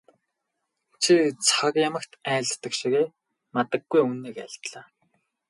Чи цаг ямагт айлддаг шигээ мадаггүй үнэнийг айлдлаа.